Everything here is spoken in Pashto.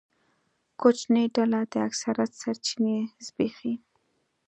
کوچنۍ ډله د اکثریت سرچینې زبېښي.